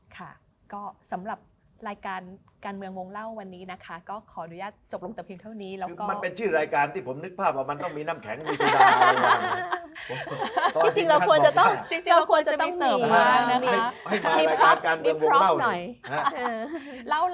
การเมืองวงเล่าวันนี้นะคะก็ขออนุญาตจบลงต่อพิมพ์เพียงเท่านี้แล้วก็มันเป็นชื่อรายการติดผมนึกภาพว่ามันต้องมีนำแข็งน่ะ